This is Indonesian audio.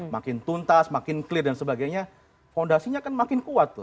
makin tuntas makin clear dan sebagainya fondasinya kan makin kuat tuh